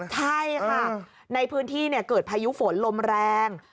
ใช่ค่ะในพื้นที่เกิดพายุฝนลมแรง